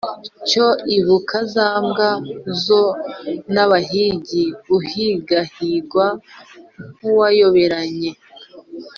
Cyo ibuka za mbwa zo n’abahigi Uhigahigwa nk’uwayoberanye